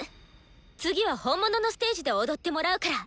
次は「本物のステージ」で踊ってもらうから！